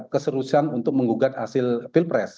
keserusan untuk menggugat hasil pilpres